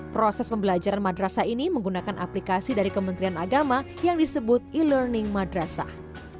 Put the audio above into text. proses pembelajaran madrasah ini menggunakan aplikasi dari kementerian agama yang disebut e learning madrasah